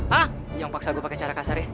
jangan paksa gue pakai cara kasar ya